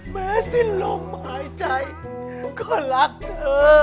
สิ้นลมหายใจก็รักเธอ